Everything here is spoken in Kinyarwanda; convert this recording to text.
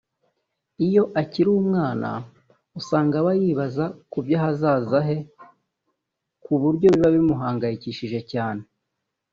Iyo akiri umwana usanga aba yibaza ku by’ahazaza he ku buryo biba bimuhangayikishije cyane